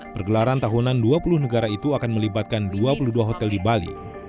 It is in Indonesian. pergelaran tahunan dua puluh negara itu akan melibatkan dua puluh dua hotel di bali